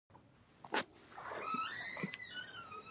خو وروستو ورته هلته خپل ځان غيرمحفوظ محسوس شو